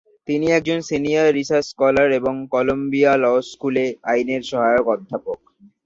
তিনি একজন senior research scholar এবং কলম্বিয়া ল স্কুলে আইনের সহায়ক অধ্যাপক।